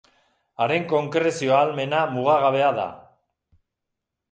Haren konkrezio ahalmena mugagabea da.